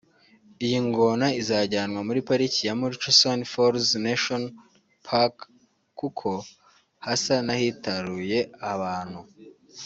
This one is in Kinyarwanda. Iyi ngona izajyanwa muri pariki ya Murchison Falls National Park kuko hasa n’ahitaruye abantu